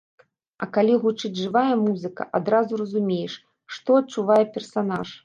А калі гучыць жывая музыка, адразу разумееш, што адчувае персанаж.